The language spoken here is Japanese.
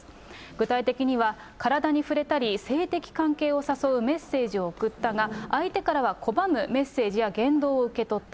具体的には、体に触れたり、性的関係を誘うメッセージを送ったが、相手からは拒むメッセージや言動を受け取った。